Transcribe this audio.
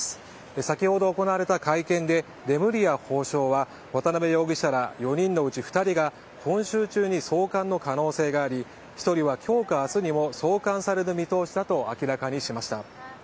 先ほど行われた会見でレムリヤ法相は渡辺容疑者ら４人のうち２人が今週中に送還の可能性があり１人は今日か明日にも送還される見通しだと明らかにしました。